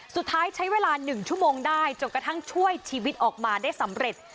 สุดท้ายใช้เวลา๑ชั่วโมงได้จนกระทั่งช่วยชีวิตออกมาได้สำเร็จ